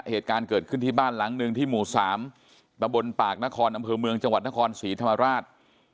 เหตุการณ์เกิดขึ้นที่บ้านหลังหนึ่งที่หมู่๓ตะบนปากนครอำเภอเมืองจังหวัดนครศรีธรรมราช